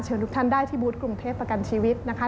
ทุกท่านได้ที่บูธกรุงเทพประกันชีวิตนะคะ